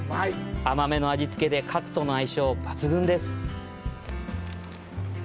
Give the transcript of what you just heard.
甘めの味つけで、カツとの相性抜群です。